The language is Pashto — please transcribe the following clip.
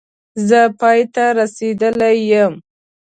زه پای ته رسېدلی یم